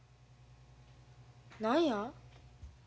何や？